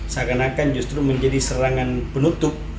seakan akan justru menjadi serangan penutup